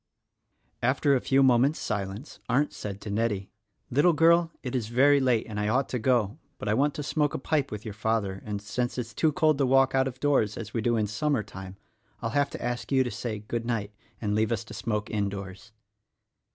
After a few moments silence Arndt said to Nettie, "Little girl, it is very late, and I ought to go; but I want to smoke a pipe with your father, and, since it is too cold to walk out of doors as we do in summer time, I'll have to ask you to say good night and leave us to smoke indoors."